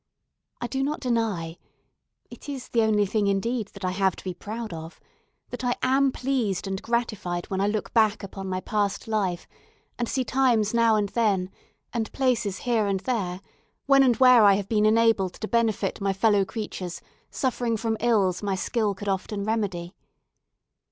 I do not deny (it is the only thing indeed that I have to be proud of) that I am pleased and gratified when I look back upon my past life, and see times now and then, and places here and there, when and where I have been enabled to benefit my fellow creatures suffering from ills my skill could often remedy.